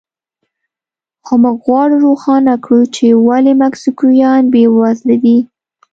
خو موږ غواړو روښانه کړو چې ولې مکسیکویان بېوزله دي.